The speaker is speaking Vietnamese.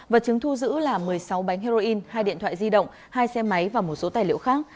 vật chứng thu giữ là một mươi sáu bánh heroin hai điện thoại di động hai xe máy và một số tài liệu khác